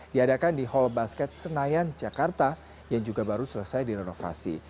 diadakan di hall basket senayan jakarta yang juga baru selesai direnovasi